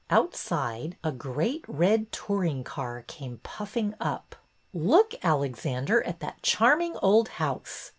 Outside, a great red touring car came puff ing up. '' Look, Alexander, at that charming old house.